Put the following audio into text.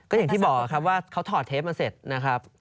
อย่างที่บอกครับว่าเขาถอดเทปมาเสร็จนะครับ